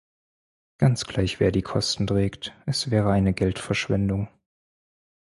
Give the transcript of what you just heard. Ganz gleich, wer die Kosten trägt, es wäre eine Geldverschwendung.